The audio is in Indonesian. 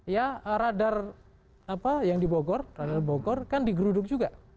ya radar apa yang di bogor kan di geruduk juga